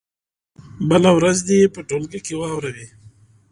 بله ورځ دې یې په ټولګي کې واوروي.